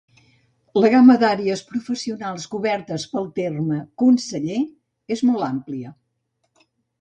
La gama d'àrees professionals cobertes pel terme "conseller" és molt amplia.